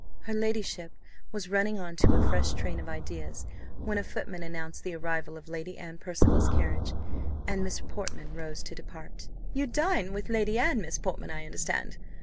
Her ladyship was running on to a fresh train of ideas, when a footman announced the arrival of Lady Anne Percival's carriage; and Miss Portman rose to depart. "You dine with Lady Anne, Miss Portman, I understand?